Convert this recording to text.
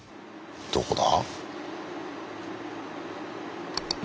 どこだ？